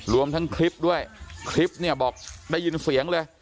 รวมทั้งคลิปด้วยคลิปเนี่ยบอกได้ยินเสียงเลย